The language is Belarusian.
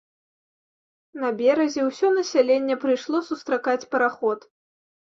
На беразе ўсё насяленне прыйшло сустракаць параход.